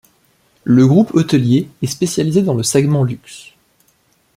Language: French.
Le groupe hôtelier est spécialisé dans le segment luxe.